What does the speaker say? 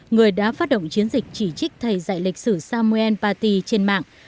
người đã phát động chiến dịch chỉ trích thầy dạy lịch sử samuel paty trên mạng